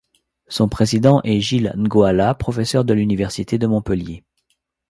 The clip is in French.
Son président est Gilles N'Goala, professeur à l'Université de Montpellier.